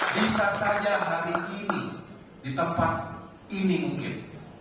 bisa saja hari ini di tempat ini mungkin